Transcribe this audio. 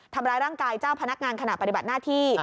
ทำร้ายร่างกายเจ้าพนักงานขณะปฏิบัติหน้าที่